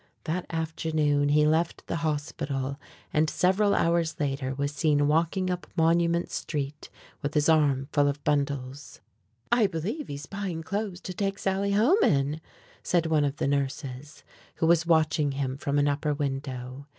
That afternoon he left the hospital, and several hours later was seen walking up Monument Street with his arm full of bundles. "I believe he's been buying clothes to take Sally home in!" said one of the nurses, who was watching him from an upper window.